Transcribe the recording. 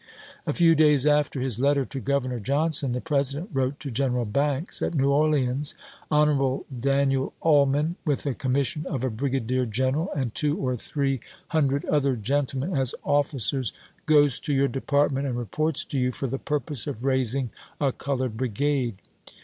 A few days after his letter to Governor Johnson, the President wrote to General Banks, at New Orleans :" Hon. Daniel Ullman, with a com mission of a brigadier general, and two or three NEGEO SOLDIERS 455 1863. hundred other gentlemen as officers, goes to your chap.xx. Department and reports to you, for the purpose of raising a colored brigade.